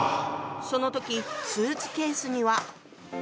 その時スーツケースには。